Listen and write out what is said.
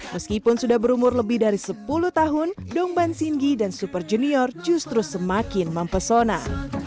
meskipun sudah berumur lebih dari sepuluh tahun dongban singgi dan super junior justru semakin mempesona